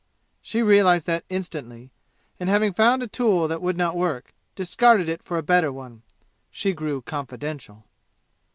She realized that instantly and having found a tool that would not work, discarded it for a better one. She grew confidential.